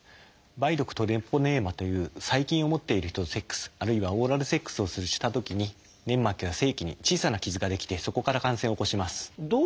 「梅毒トレポネーマ」という細菌を持っている人とセックスあるいはオーラルセックスをしたときに粘膜や性器に小さな傷が出来てそこから感染を起こします。